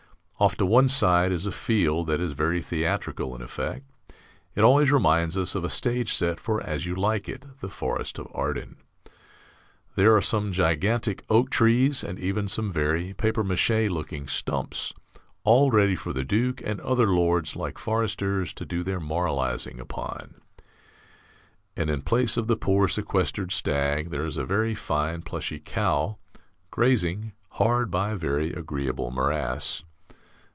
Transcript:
Off to one side is a field that is very theatrical in effect: it always reminds us of a stage set for "As You Like It," the Forest of Arden. There are some gigantic oak trees and even some very papier maché looking stumps, all ready for the duke, "and other Lords, like Foresters," to do their moralizing upon; and in place of the poor sequestered stag there is a very fine plushy cow, grazing, hard by a very agreeable morass.